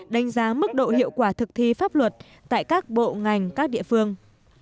đánh giá mức độ hiệu quả thực thi pháp luật tại các bộ ngành các địa phương